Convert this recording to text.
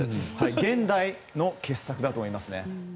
現代の傑作だと思いますね。